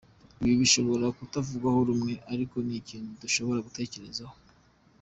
Ibi bishobora kutavugwaho rumwe ariko ni ikintu dushobora gutekerezaho.